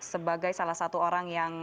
sebagai salah satu orang yang